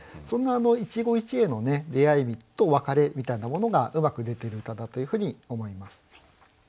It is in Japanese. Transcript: そんな一期一会の出会いと別れみたいなものがうまく出てる歌だというふうに思います。